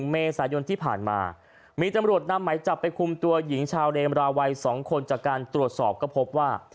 เมษายนที่ผ่านมามีตำรวจนำไหมจับไปคุมตัวหญิงชาวเมมราวัย๒คนจากการตรวจสอบก็พบว่า